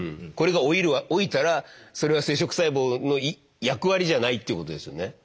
これが老いたらそれは生殖細胞の役割じゃないっていうことですよね？